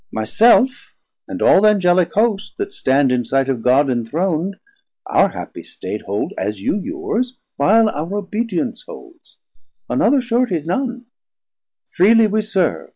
My self and all th' Angelic Host that stand In sight of God enthron'd, our happie state Hold, as you yours, while our obedience holds; On other surety none; freely we serve.